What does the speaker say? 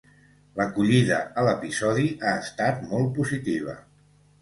L'acollida a l'episodi ha estat molt positiva.